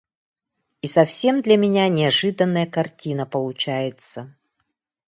И совсем для меня неожиданная картина получается.